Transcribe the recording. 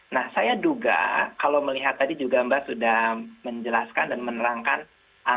nah saya duga kalau melihat tadi juga mbak sudah menjelaskan dan menerangkan angka kasus baru di dki jakarta dan di indonesia